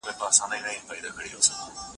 دغه ماشوم په بېدېدو کي ووهل سو.